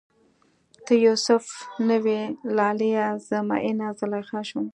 ته یو سف نه وی لالیه، زه میینه زلیخا شوم